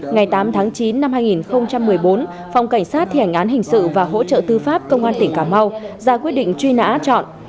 ngày tám tháng chín năm hai nghìn một mươi bốn phòng cảnh sát thi hành án hình sự và hỗ trợ tư pháp công an tỉnh cà mau ra quyết định truy nã trọn